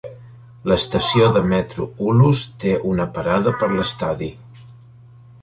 L'estació de metro Ulus té una parada per l'estadi.